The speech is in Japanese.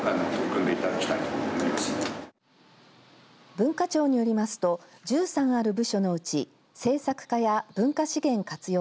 文化庁によりますと１３ある部署のうち政策課や文化資源活用